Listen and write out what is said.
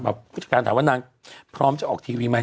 ผู้จัดการถามว่านางพร้อมจะออกทีวีไหม